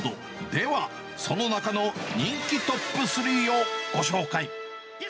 では、その中の人気トップスリーをご紹介。